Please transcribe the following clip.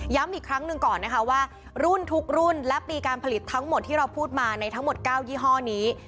อีกครั้งหนึ่งก่อนนะคะว่ารุ่นทุกรุ่นและปีการผลิตทั้งหมดที่เราพูดมาในทั้งหมด๙ยี่ห้อนี้